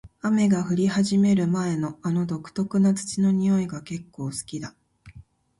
雨が降り始める前の、あの独特な土の匂いが結構好きだ。